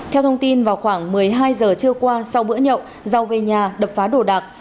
theo thông tin vào khoảng một mươi hai giờ trưa qua sau bữa nhậu rau về nhà đập phá đồ đạc